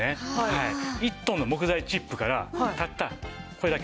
１トンの木材チップからたったこれだけ。